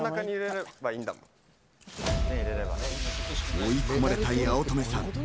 追い込まれた八乙女さん。